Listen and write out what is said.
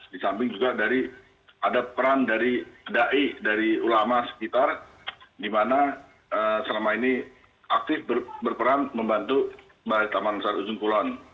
di samping juga dari ada peran dari dai dari ulama sekitar di mana selama ini aktif berperan membantu taman sar ujung kulon